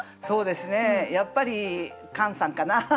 そうですねやっぱりカンさんかな。